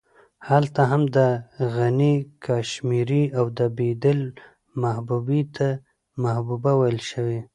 هلته هم د غني کاشمېري او د بېدل محبوبې ته محبوبه ويل شوې.